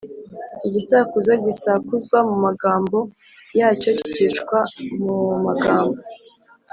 Igisakuzo gisakuzwa mu magambo yacyo kikicwa mu magambo